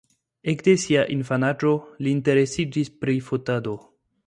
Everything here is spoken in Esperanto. Ekde sia infanaĝo li interesiĝis pri fotado.